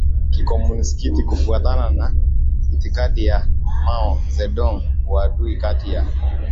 kikomunisti kufuatana na itikadi ya Mao Zedong Uadui kati ya